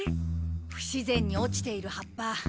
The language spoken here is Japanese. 不自然に落ちている葉っぱ。